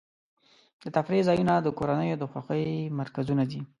د تفریح ځایونه د کورنیو د خوښۍ مرکزونه دي.